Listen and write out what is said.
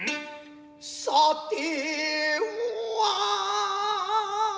「さては」。